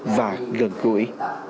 và gần gũi